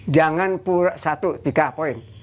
jangan pura pura satu tiga poin